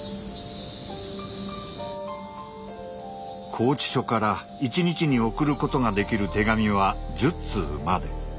拘置所から一日に送ることができる手紙は１０通まで。